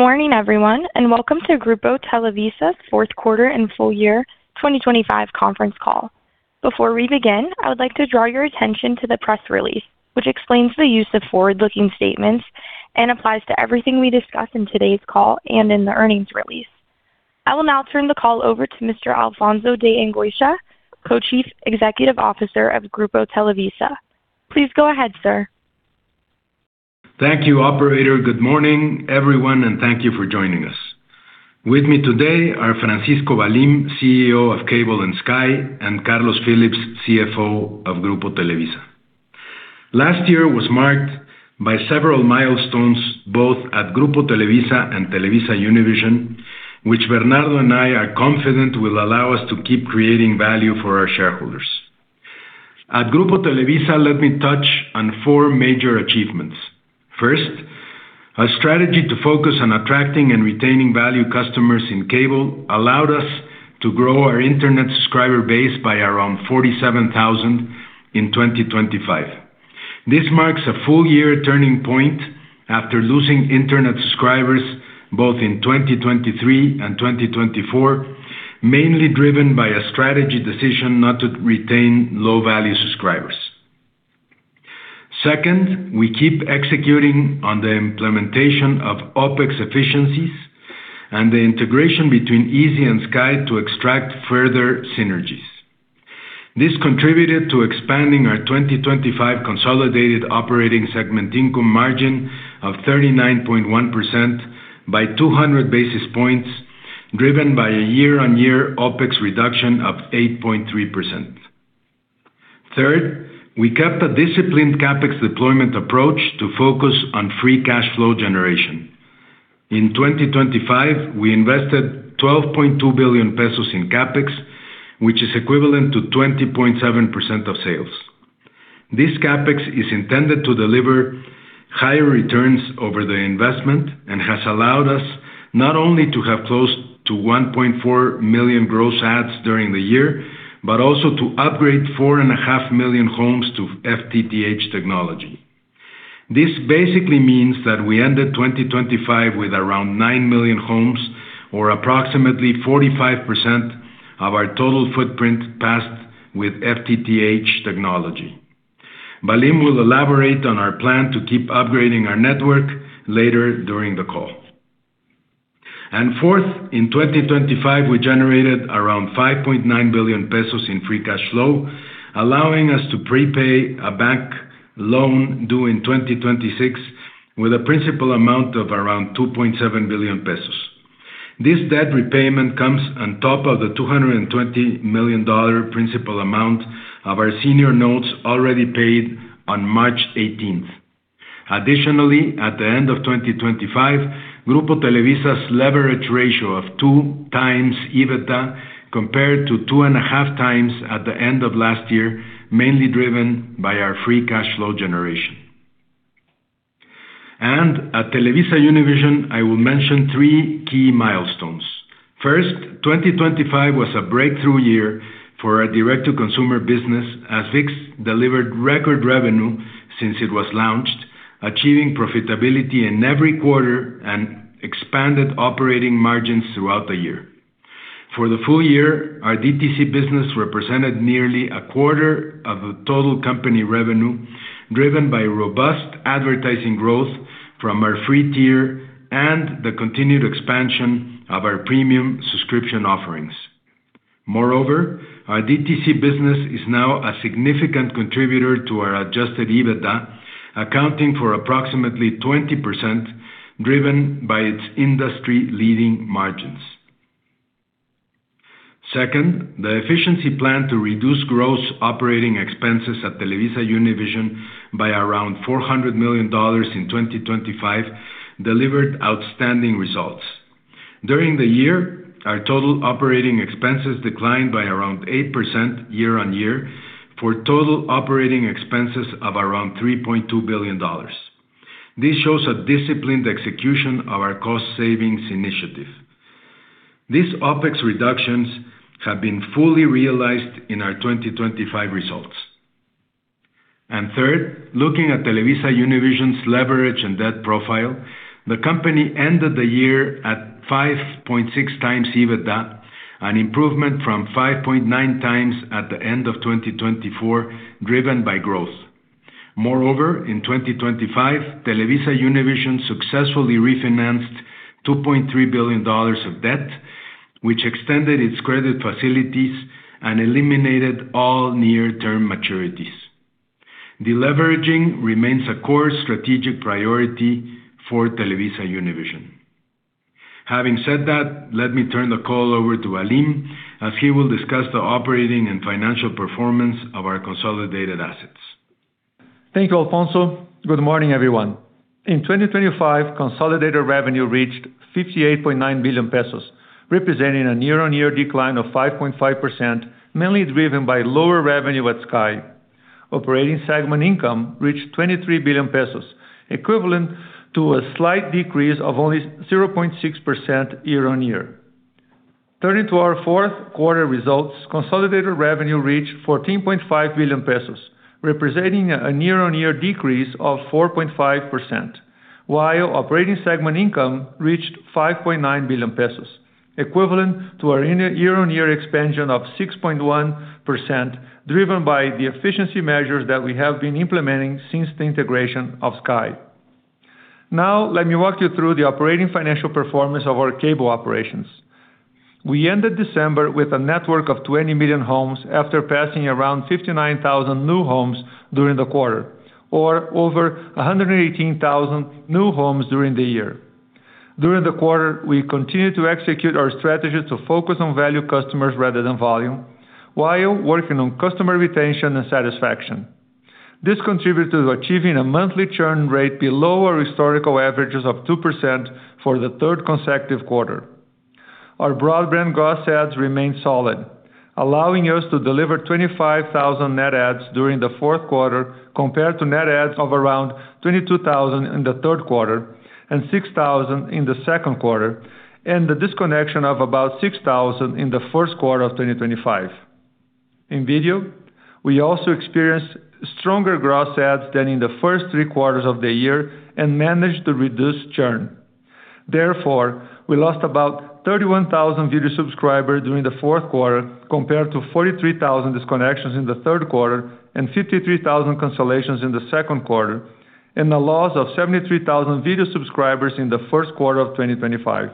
Good morning, everyone, welcome to Grupo Televisa's fourth quarter and full year 2025 conference call. Before we begin, I would like to draw your attention to the press release, which explains the use of forward-looking statements and applies to everything we discuss in today's call and in the earnings release. I will now turn the call over to Mr. Alfonso de Angoitia, Co-Chief Executive Officer of Grupo Televisa. Please go ahead, sir. Thank you, operator. Good morning, everyone, and thank you for joining us. With me today are Francisco Valim, CEO of Cable and Sky, and Carlos Phillips, CFO of Grupo Televisa. Last year was marked by several milestones, both at Grupo Televisa and TelevisaUnivision, which Bernardo and I are confident will allow us to keep creating value for our shareholders. At Grupo Televisa, let me touch on four major achievements. First, our strategy to focus on attracting and retaining value customers in cable allowed us to grow our internet subscriber base by around 47,000 in 2025. This marks a full year turning point after losing internet subscribers both in 2023 and 2024, mainly driven by a strategy decision not to retain low-value subscribers. Second, we keep executing on the implementation of OpEx efficiencies and the integration between Izzi and Sky to extract further synergies. This contributed to expanding our 2025 consolidated operating segment income margin of 39.1% by 200 basis points, driven by a year-on-year OpEx reduction of 8.3%. Third, we kept a disciplined CapEx deployment approach to focus on free cash flow generation. In 2025, we invested 12.2 billion pesos in CapEx, which is equivalent to 20.7% of sales. This CapEx is intended to deliver higher returns over the investment and has allowed us not only to have close to 1.4 million gross adds during the year, but also to upgrade 4.5 million homes to FTTH technology. This basically means that we ended 2025 with around 9 million homes or approximately 45% of our total footprint passed with FTTH technology. Valim will elaborate on our plan to keep upgrading our network later during the call. Fourth, in 2025, we generated around 5.9 billion pesos in free cash flow, allowing us to prepay a bank loan due in 2026, with a principal amount of around 2.7 billion pesos. This debt repayment comes on top of the $220 million principal amount of our senior notes already paid on March 18th. Additionally, at the end of 2025, Grupo Televisa's leverage ratio of 2x EBITDA, compared to 2.5x at the end of last year, mainly driven by our free cash flow generation. At TelevisaUnivision, I will mention three key milestones. First, 2025 was a breakthrough year for our direct-to-consumer business, as ViX delivered record revenue since it was launched, achieving profitability in every quarter and expanded operating margins throughout the year. For the full year, our DTC business represented nearly a quarter of the total company revenue, driven by robust advertising growth from our free tier and the continued expansion of our premium subscription offerings. Our DTC business is now a significant contributor to our adjusted EBITDA, accounting for approximately 20%, driven by its industry-leading margins. Second, the efficiency plan to reduce gross operating expenses at TelevisaUnivision by around $400 million in 2025 delivered outstanding results. During the year, our total operating expenses declined by around 8% year-over-year, for total operating expenses of around $3.2 billion. This shows a disciplined execution of our cost savings initiative. These OpEx reductions have been fully realized in our 2025 results. Third, looking at TelevisaUnivision's leverage and debt profile, the company ended the year at 5.6x EBITDA, an improvement from 5.9x at the end of 2024, driven by growth. In 2025, TelevisaUnivision successfully refinanced $2.3 billion of debt, which extended its credit facilities and eliminated all near-term maturities. Deleveraging remains a core strategic priority for TelevisaUnivision. Let me turn the call over to Valim, as he will discuss the operating and financial performance of our consolidated assets. Thank you, Alfonso. Good morning, everyone. In 2025, consolidated revenue reached 58.9 billion pesos, representing a year-on-year decline of 5.5%, mainly driven by lower revenue at Sky. Operating segment income reached 23 billion pesos, equivalent to a slight decrease of only 0.6% year-on-year. Turning to our fourth quarter results, consolidated revenue reached 14.5 billion pesos, representing a year-on-year decrease of 4.5%, while operating segment income reached 5.9 billion pesos, equivalent to a year-on-year expansion of 6.1%, driven by the efficiency measures that we have been implementing since the integration of Sky. Let me walk you through the operating financial performance of our cable operations. We ended December with a network of 20 million homes after passing around 59,000 new homes during the quarter, or over 118,000 new homes during the year. During the quarter, we continued to execute our strategy to focus on value customers rather than volume, while working on customer retention and satisfaction. This contributed to achieving a monthly churn rate below our historical averages of 2% for the third consecutive quarter. Our broadband gross adds remained solid, allowing us to deliver 25,000 net adds during the fourth quarter, compared to net adds of around 22,000 in the third quarter and 6,000 in the second quarter, and the disconnection of about 6,000 in the first quarter of 2025. In video, we also experienced stronger gross adds than in the first 3 quarters of the year and managed to reduce churn. We lost about 31,000 video subscribers during the fourth quarter, compared to 43,000 disconnections in the third quarter and 53,000 cancellations in the second quarter, a loss of 73,000 video subscribers in the first quarter of 2025.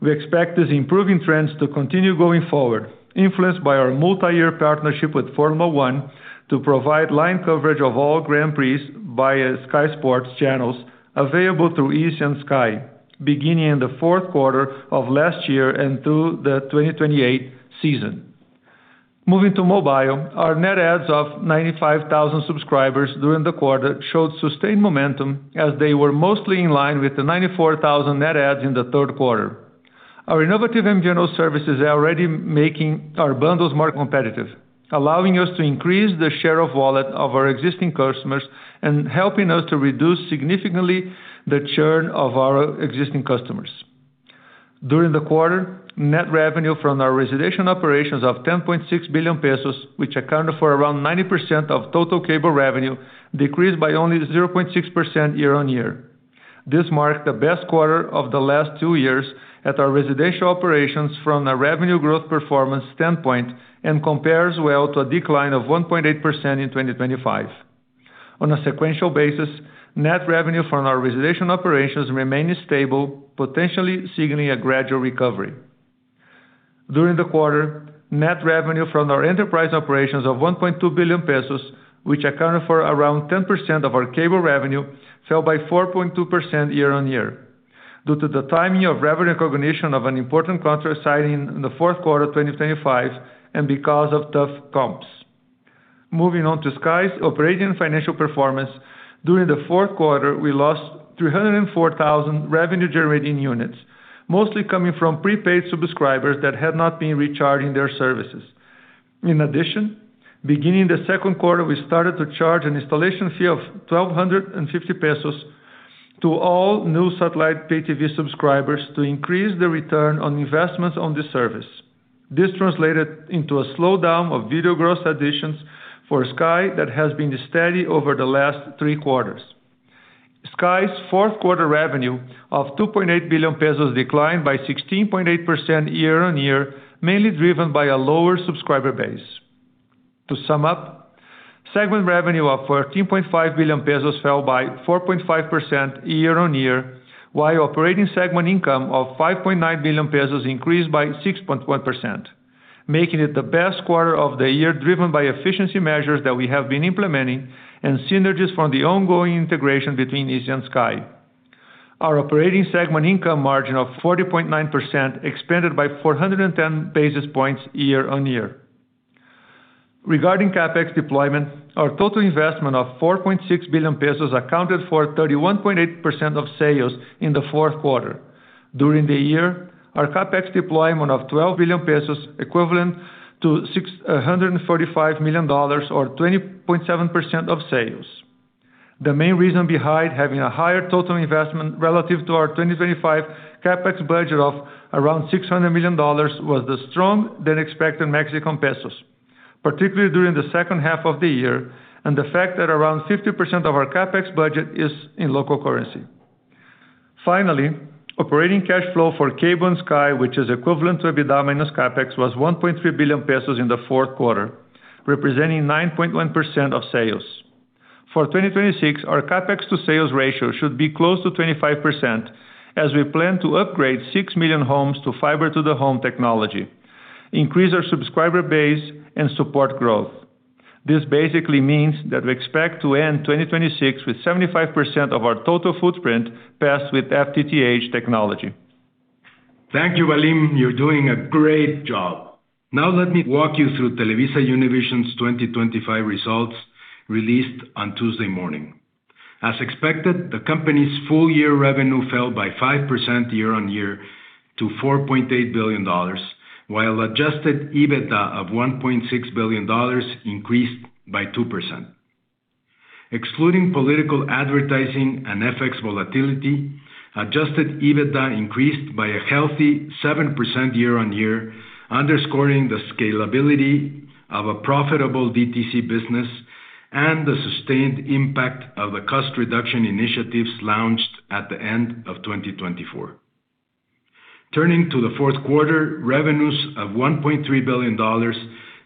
We expect these improving trends to continue going forward, influenced by our multi-year partnership with Formula 1 to provide live coverage of all Grand Prix via Sky Sports channels available through Izzi and Sky, beginning in the fourth quarter of last year and through the 2028 season. Moving to mobile, our net adds of 95,000 subscribers during the quarter showed sustained momentum, as they were mostly in line with the 94,000 net adds in the third quarter. Our innovative and general services are already making our bundles more competitive, allowing us to increase the share of wallet of our existing customers and helping us to reduce significantly the churn of our existing customers. During the quarter, net revenue from our residential operations of 10.6 billion pesos, which accounted for around 90% of total cable revenue, decreased by only 0.6% year-on-year. This marked the best quarter of the last two years at our residential operations from a revenue growth performance standpoint, compares well to a decline of 1.8% in 2025. On a sequential basis, net revenue from our residential operations remained stable, potentially signaling a gradual recovery. During the quarter, net revenue from our enterprise operations of 1.2 billion pesos, which accounted for around 10% of our cable revenue, fell by 4.2% year-on-year, due to the timing of revenue recognition of an important contract signing in the fourth quarter of 2025, and because of tough comps. Moving on to Sky's operating financial performance. During the fourth quarter, we lost 304,000 revenue-generating units, mostly coming from prepaid subscribers that had not been recharging their services. In addition, beginning the second quarter, we started to charge an installation fee of 1,250 pesos to all new satellite pay TV subscribers to increase the return on investments on the service. This translated into a slowdown of video gross additions for Sky that has been steady over the last three quarters. Sky's fourth quarter revenue of 2.8 billion pesos declined by 16.8% year-on-year, mainly driven by a lower subscriber base. To sum up, segment revenue of 14.5 billion pesos fell by 4.5% year-on-year, while operating segment income of 5.9 billion pesos increased by 6.1%, making it the best quarter of the year, driven by efficiency measures that we have been implementing and synergies from the ongoing integration between Izzi and Sky. Our operating segment income margin of 40.9% expanded by 410 basis points year-on-year. Regarding CapEx deployment, our total investment of 4.6 billion pesos accounted for 31.8% of sales in the fourth quarter. During the year, our CapEx deployment of 12 billion pesos, equivalent to $645 million, or 20.7% of sales. The main reason behind having a higher total investment relative to our 2025 CapEx budget of around $600 million, was the strong than expected Mexican pesos, particularly during the second half of the year, and the fact that around 50% of our CapEx budget is in local currency. Finally, operating cash flow for Cable and Sky, which is equivalent to EBITDA minus CapEx, was 1.3 billion pesos in the fourth quarter, representing 9.1% of sales. For 2026, our CapEx to sales ratio should be close to 25%, as we plan to upgrade 6 million homes to fiber to the home technology, increase our subscriber base, and support growth. This basically means that we expect to end 2026 with 75% of our total footprint passed with FTTH technology. Thank you, Valim. You're doing a great job! Let me walk you through TelevisaUnivision's 2025 results, released on Tuesday morning. As expected, the company's full year revenue fell by 5% year-on-year to $4.8 billion, while adjusted EBITDA of $1.6 billion increased by 2%. Excluding political advertising and FX volatility, adjusted EBITDA increased by a healthy 7% year-on-year, underscoring the scalability of a profitable DTC business and the sustained impact of the cost reduction initiatives launched at the end of 2024. Turning to the fourth quarter, revenues of $1.3 billion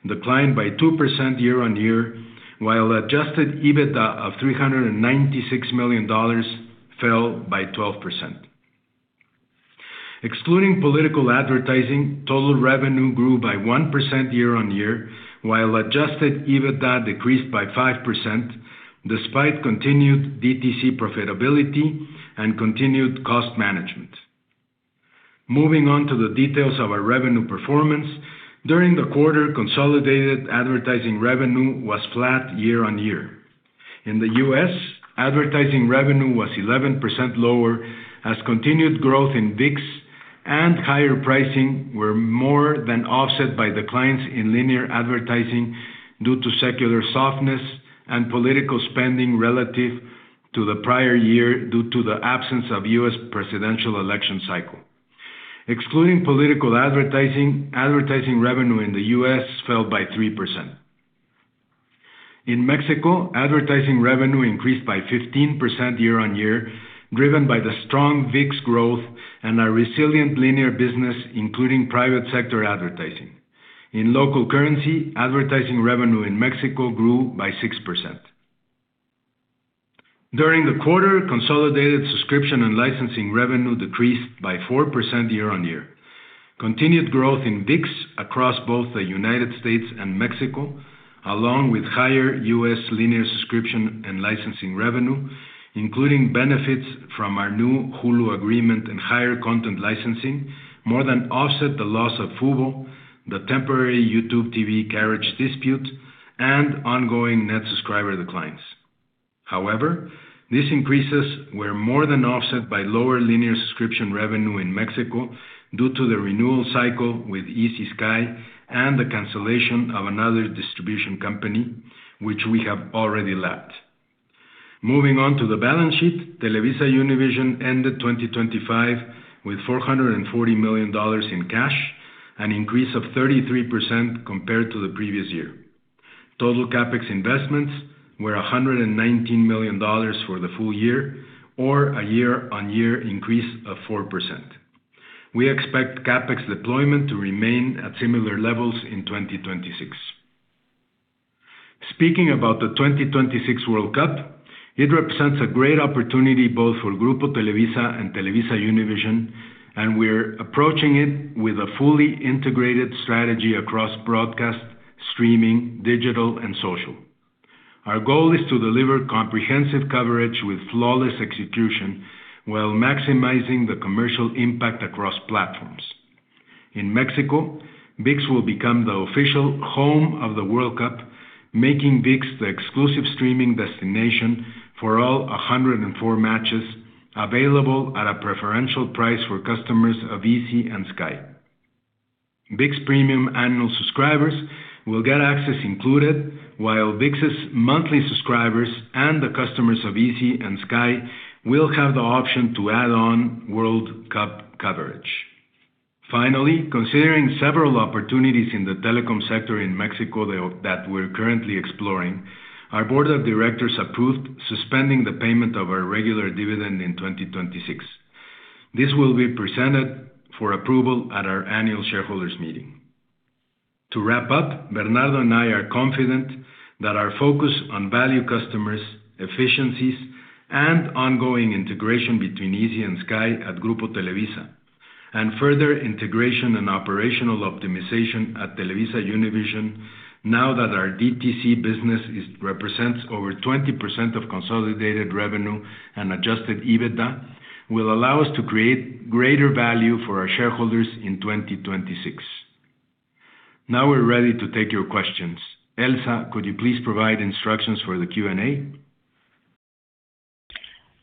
declined by 2% year-on-year, while adjusted EBITDA of $396 million fell by 12%. Excluding political advertising, total revenue grew by 1% year-on-year, while adjusted EBITDA decreased by 5%, despite continued DTC profitability and continued cost management. Moving on to the details of our revenue performance. During the quarter, consolidated advertising revenue was flat year-on-year. In the U.S., advertising revenue was 11% lower, as continued growth in ViX and higher pricing were more than offset by declines in linear advertising due to secular softness and political spending relative to the prior year, due to the absence of U.S. presidential election cycle. Excluding political advertising revenue in the U.S. fell by 3%. In Mexico, advertising revenue increased by 15% year-on-year, driven by the strong ViX growth and our resilient linear business, including private sector advertising. In local currency, advertising revenue in Mexico grew by 6%. During the quarter, consolidated subscription and licensing revenue decreased by 4% year-on-year. Continued growth in ViX across both the U.S. and Mexico, along with higher U.S. linear subscription and licensing revenue, including benefits from our new Hulu agreement and higher content licensing, more than offset the loss of Fubo, the temporary YouTube TV carriage dispute, and ongoing net subscriber declines. These increases were more than offset by lower linear subscription revenue in Mexico due to the renewal cycle with Izzi, Sky and the cancellation of another distribution company, which we have already lapped. Moving on to the balance sheet, TelevisaUnivision ended 2025 with $440 million in cash, an increase of 33% compared to the previous year. Total CapEx investments were $119 million for the full year, or a year-on-year increase of 4%. We expect CapEx deployment to remain at similar levels in 2026. Speaking about the 2026 World Cup, it represents a great opportunity both for Grupo Televisa and TelevisaUnivision, and we're approaching it with a fully integrated strategy across broadcast, streaming, digital, and social. Our goal is to deliver comprehensive coverage with flawless execution, while maximizing the commercial impact across platforms. In Mexico, ViX will become the official home of the World Cup, making ViX the exclusive streaming destination for all 104 matches, available at a preferential price for customers of Izzi and Sky. ViX premium annual subscribers will get access included, while ViX's monthly subscribers and the customers of Izzi and Sky will have the option to add on World Cup coverage. Finally, considering several opportunities in the telecom sector in Mexico that we're currently exploring, our board of directors approved suspending the payment of our regular dividend in 2026. This will be presented for approval at our annual shareholders meeting. To wrap up, Bernardo and I are confident that our focus on value customers, efficiencies, and ongoing integration between Izzi and Sky at Grupo Televisa, and further integration and operational optimization at TelevisaUnivision, now that our DTC business represents over 20% of consolidated revenue and adjusted EBITDA, will allow us to create greater value for our shareholders in 2026. We're ready to take your questions. Elsa, could you please provide instructions for the Q&A?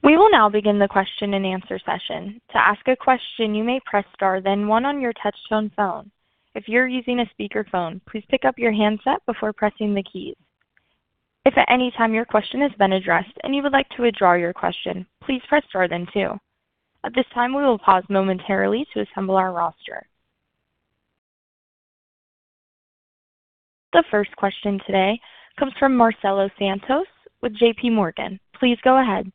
We will now begin the question-and-answer session. To ask a question, you may press star, then one on your touchtone phone. If you're using a speakerphone, please pick up your handset before pressing the keys. If at any time your question has been addressed and you would like to withdraw your question, please press star then two. At this time, we will pause momentarily to assemble our roster. The first question today comes from Marcelo Santos with J.P. Morgan. Please go ahead.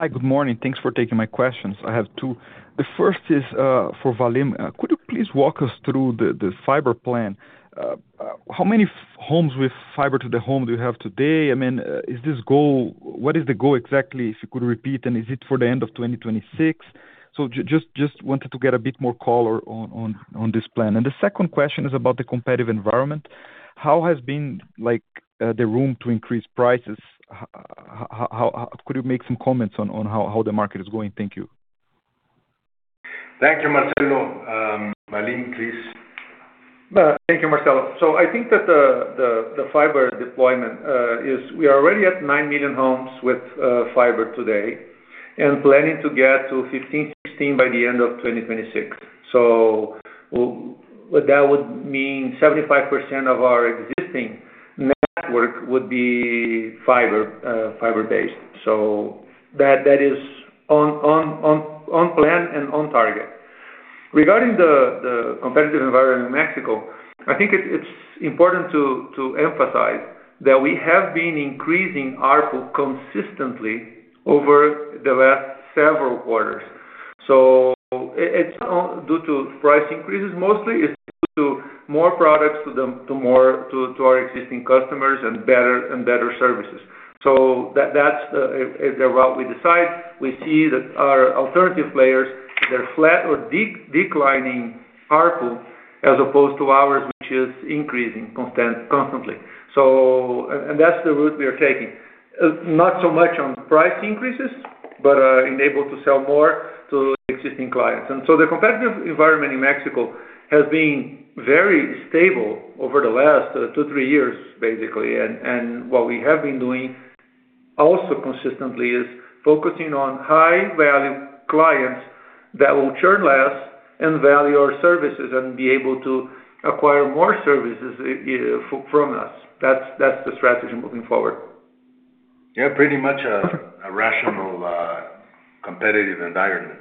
Hi, good morning. Thanks for taking my questions. I have 2. The first is for Valim. Could you please walk us through the fiber plan? How many homes with fiber to the home do you have today? I mean, is this goal? What is the goal exactly, if you could repeat, and is it for the end of 2026? Just wanted to get a bit more color on this plan. The second question is about the competitive environment. How has been, like, the room to increase prices? How, could you make some comments on how the market is going? Thank you. Thank you, Marcelo. Valim, please. Thank you, Marcelo. I think that the fiber deployment we are already at 9 million homes with fiber today and planning to get to 15, 16 by the end of 2026. That would mean 75% of our existing network would be fiber-based. That is on plan and on target. Regarding the competitive environment in Mexico, I think it's important to emphasize that we have been increasing ARPU consistently over the last several quarters. It's not due to price increases, mostly it's due to more products to our existing customers and better services. That's the route we decide. We see that our alternative players, they're flat or declining ARPU, as opposed to ours, which is increasing constantly. That's the route we are taking. Not so much on price increases, but enabled to sell more to existing clients. The competitive environment in Mexico has been very stable over the last two, three years, basically. What we have been doing also consistently, is focusing on high-value clients that will churn less and value our services, and be able to acquire more services from us. That's the strategy moving forward. Yeah, pretty much a rational competitive environment.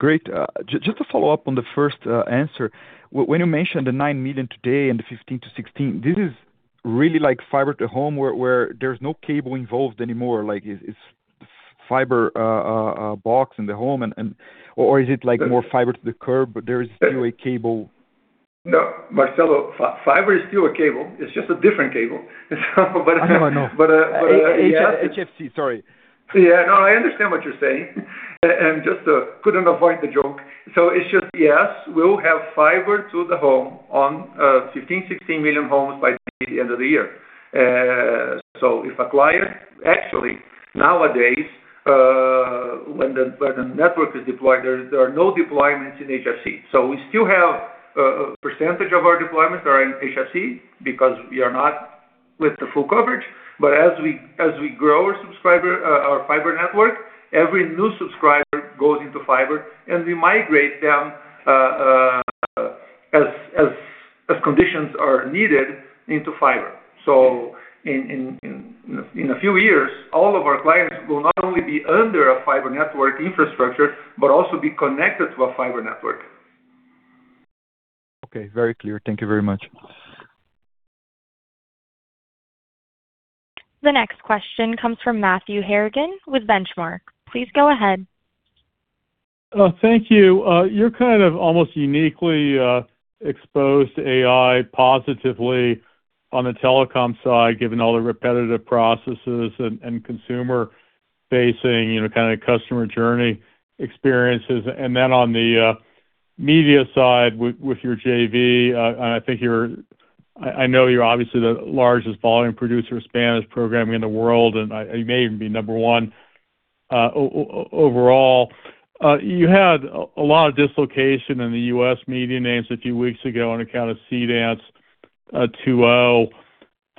Great. Just to follow up on the first answer. When you mentioned the 9 million today and the 15-16, this is really like fiber to home, where there's no cable involved anymore, like, it's fiber box in the home and or is it like more fiber to the curb, but there is still a cable? No, Marcelo, fiber is still a cable. It's just a different cable. I know. Yeah. HFC. Sorry. Yeah, no, I understand what you're saying, and just, couldn't avoid the joke. It's just, yes, we'll have fiber to the home on, 15, 16 million homes by the end of the year. Actually, nowadays, when the network is deployed, there are no deployments in HFC. We still have, a percentage of our deployments are in HFC because we are not with the full coverage. But as we, as we grow our subscriber, our fiber network, every new subscriber goes into fiber, and we migrate them, as conditions are needed into fiber. In, in, in a few years, all of our clients will not only be under a fiber network infrastructure, but also be connected to a fiber network. Okay. Very clear. Thank you very much. The next question comes from Matthew Harrigan with Benchmark. Please go ahead. Thank you. You're kind of almost uniquely exposed to AI positively on the telecom side, given all the repetitive processes and consumer-facing, you know, kind of customer journey experiences. On the media side with your JV, I know you're obviously the largest volume producer of Spanish programming in the world, and I, you may even be number one overall. You had a lot of dislocation in the U.S. media names a few weeks ago on account of Seedance 2.0.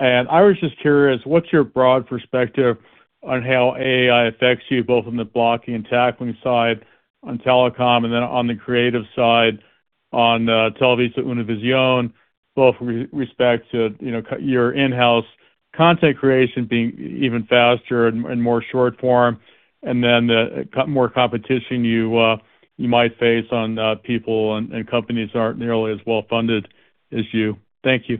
I was just curious, what's your broad perspective on how AI affects you, both on the blocking and tackling side on telecom, and then on the creative side on TelevisaUnivision, both with respect to, you know, your in-house content creation being even faster and more short form, and then more competition you might face on people and companies that aren't nearly as well funded as you. Thank you.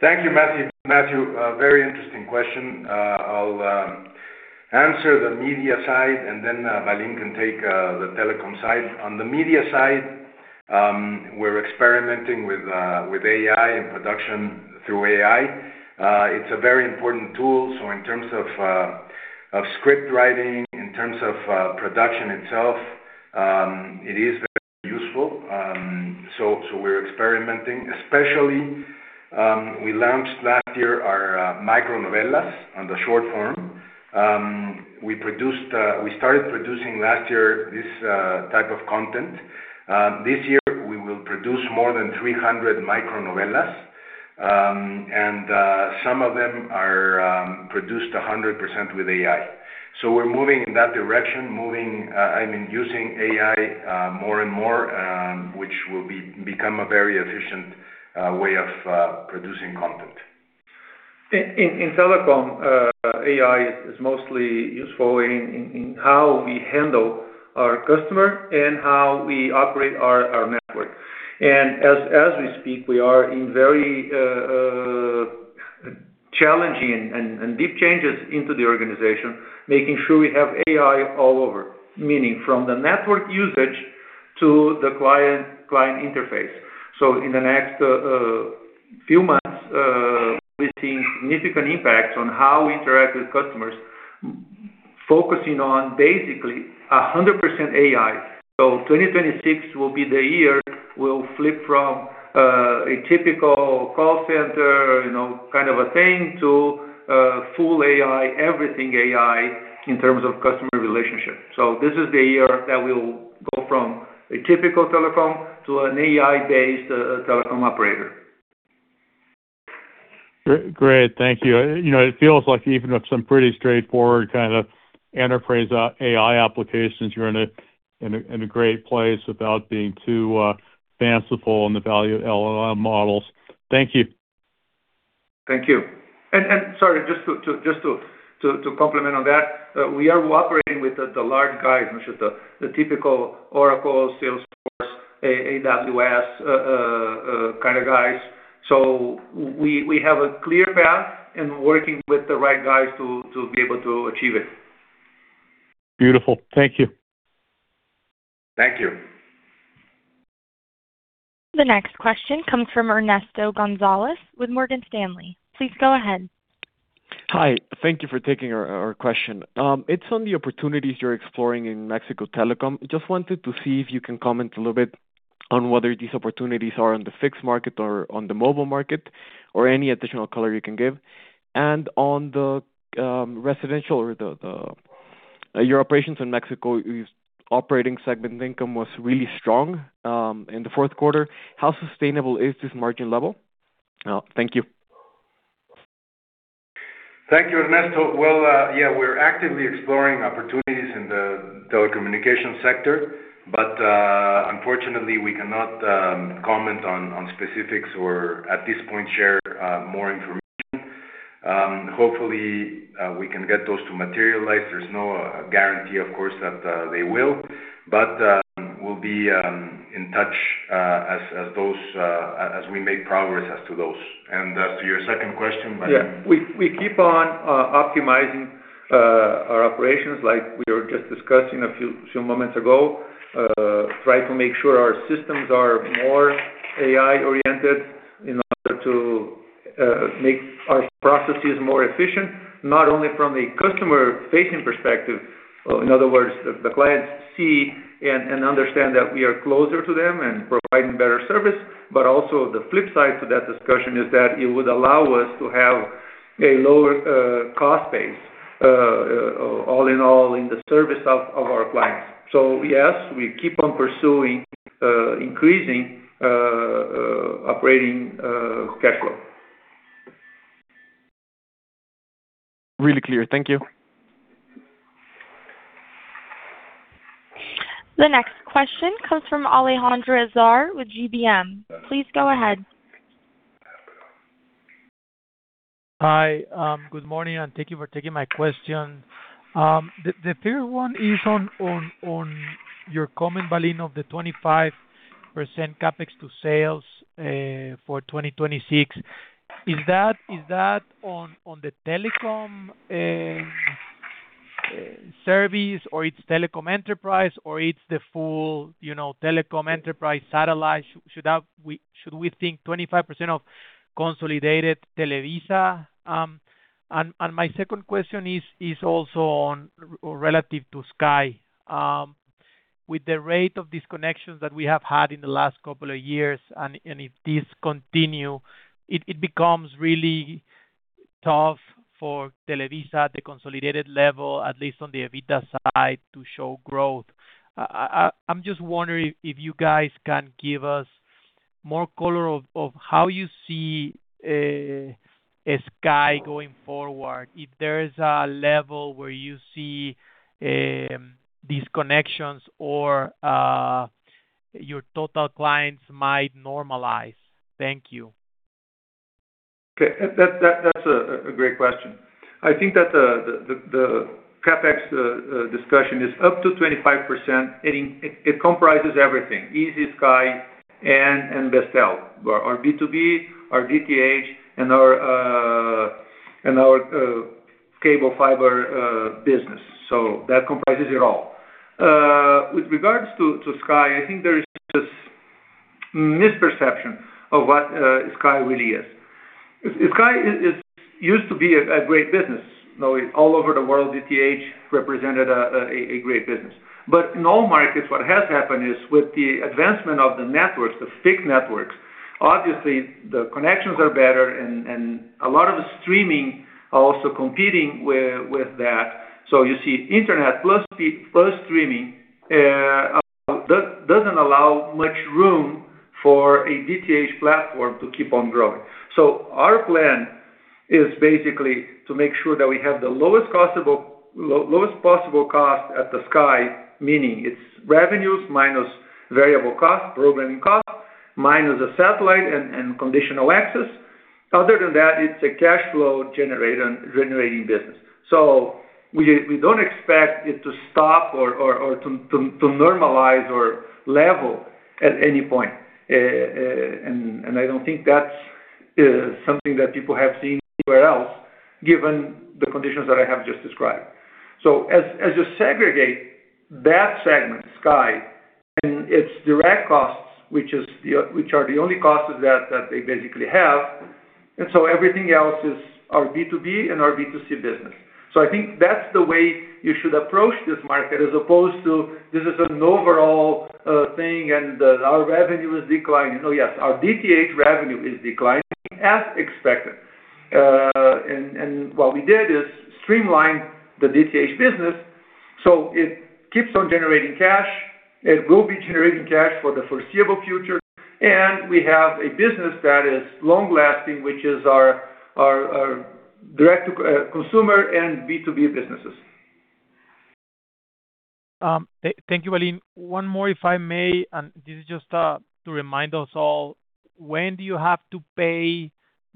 Thank you, Matthew. Matthew, very interesting question. I'll answer the media side, and then Valim can take the telecom side. On the media side, we're experimenting with AI and production through AI. It's a very important tool, so in terms of script writing, in terms of production itself, it is very useful. We're experimenting, especially, we launched last year our micro novellas on the short form. We produced, we started producing last year, this type of content. This year, we will produce more than 300 micro novellas. Some of them are produced 100% with AI. We're moving in that direction, moving, I mean, using AI, more and more, which will become a very efficient way of producing content. In telecom, AI is mostly useful in how we handle our customer and how we operate our network. As we speak, we are in very challenging and deep changes into the organization, making sure we have AI all over, meaning from the network usage to the client interface. In the next few months, we've seen significant impacts on how we interact with customers, focusing on basically 100% AI. 2026 will be the year we'll flip from a typical call center, you know, kind of a thing to full AI, everything AI, in terms of customer relationships. This is the year that we'll go from a typical telephone to an AI-based telephone operator. Great. Thank you. You know, it feels like even with some pretty straightforward kind of enterprise AI applications, you're in a great place without being too fanciful in the value of LLM models. Thank you. Thank you. Sorry, just to complement on that, we are cooperating with the large guys, which is the typical Oracle, Salesforce, AWS kind of guys. We have a clear path in working with the right guys to be able to achieve it. Beautiful. Thank you. Thank you. The next question comes from Ernesto Gonzalez with Morgan Stanley. Please go ahead. Hi. Thank you for taking our question. It's on the opportunities you're exploring in Mexico Telecom. Just wanted to see if you can comment a little bit on whether these opportunities are on the fixed market or on the mobile market, or any additional color you can give. On the residential or the your operations in Mexico, your operating segment income was really strong in the fourth quarter. How sustainable is this margin level? Thank you. Thank you, Ernesto. Well, yeah, we're actively exploring opportunities in the telecommunication sector, but unfortunately, we cannot comment on specifics or at this point, share more information. Hopefully, we can get those to materialize. There's no guarantee, of course, that they will. We'll be in touch as those, as we make progress as to those. As to your second question, Valim. We keep on optimizing our operations like we were just discussing a few moments ago. Try to make sure our systems are more AI-oriented in order to make our processes more efficient, not only from a customer-facing perspective, in other words, the clients see and understand that we are closer to them and providing better service, but also the flip side to that discussion is that it would allow us to have a lower cost base, all in all, in the service of our clients. Yes, we keep on pursuing increasing operating cash flow. Really clear. Thank you. The next question comes from Alejandra Azar with GBM. Please go ahead. Hi, good morning, and thank you for taking my question. The first one is on your comment, Valim, of the 25% CapEx to sales for 2026. Is that on the telecom service, or it's telecom enterprise, or it's the full, you know, telecom enterprise satellite? Should we think 25% of consolidated Televisa? My second question is also on relative to Sky. With the rate of disconnections that we have had in the last couple of years, and if this continue, it becomes really tough for Televisa at the consolidated level, at least on the EBITDA side, to show growth. I'm just wondering if you guys can give us more color of how you see Sky going forward, if there is a level where you see disconnections or your total clients might normalize. Thank you. Okay. That's a great question. I think that the CapEx discussion is up to 25%, and it comprises everything, Izzi, Sky and Bestel, our B2B, our DTH, and our and our cable fiber business. That comprises it all. With regards to Sky, I think there is this misperception of what Sky really is. Sky used to be a great business. You know, all over the world, DTH represented a great business. In all markets, what has happened is, with the advancement of the networks, the thick networks, obviously the connections are better and a lot of the streaming are also competing with that. You see internet plus streaming doesn't allow much room for a DTH platform to keep on growing. Our plan is basically to make sure that we have the lowest possible cost at Sky, meaning it's revenues minus variable costs, programming costs, minus the satellite and conditional access. Other than that, it's a cash flow generator, generating business. We don't expect it to stop or to normalize or level at any point. I don't think that's something that people have seen anywhere else, given the conditions that I have just described. As you segregate that segment, Sky, and its direct costs, which are the only costs that they basically have, everything else is our B2B and our B2C business. I think that's the way you should approach this market, as opposed to this is an overall thing and our revenue is declining. Oh, yes, our DTH revenue is declining as expected. And what we did is streamline the DTH business, so it keeps on generating cash, it will be generating cash for the foreseeable future, and we have a business that is long-lasting, which is our direct to consumer and B2B businesses. Thank you, Valim. One more, if I may, and this is just, to remind us all, when do you have to pay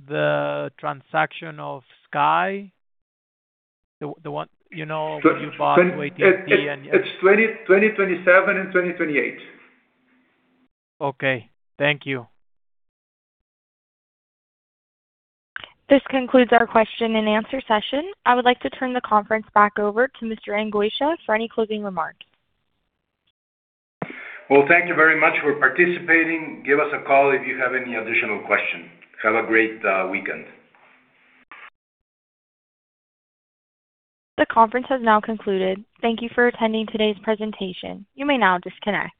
the transaction of Sky? The one, you know, you bought? It's 2027 and 2028. Okay. Thank you. This concludes our question-and-answer session. I would like to turn the conference back over to Mr. Angoitia for any closing remarks. Thank you very much for participating. Give us a call if you have any additional questions. Have a great weekend. The conference has now concluded. Thank you for attending today's presentation. You may now disconnect.